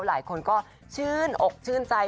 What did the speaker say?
หลายคนก็ชื่นอกชื่นใจ